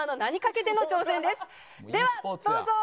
ではどうぞ！